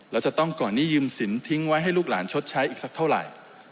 แล้วจะต้องก่อนหนี้ยืมสินทิ้งไว้ให้ลูกหลานชดใช้อีกสักเท่าไหร่